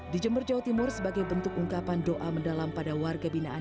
di jember jawa timur sebagai bentuk ungkapan doa mendalam pada warga binaan